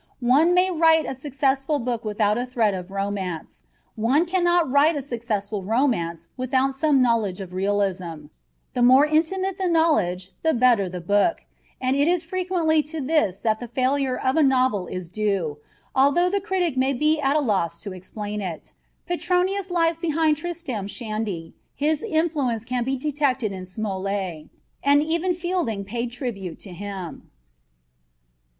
One may write a successful book without a thread of romance; one cannot write a successful romance without some knowledge of realism; the more intimate the knowledge the better the book, and it is frequently to this that the failure of a novel is due, although the critic might be at a loss to explain it. Petronius lies behind Tristram Shandy, his influence can be detected in Smollett, and even Fielding paid tribute to him.